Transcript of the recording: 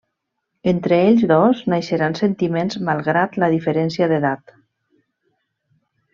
Entre ells dos naixeran sentiments, malgrat la diferència d'edat.